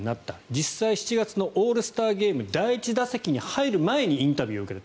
実際、７月のオールスターゲーム第１打席に入る前にインタビューを受けた。